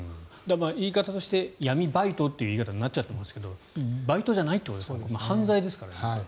言い方として闇バイトという言い方になってますがバイトじゃないという犯罪ですからね。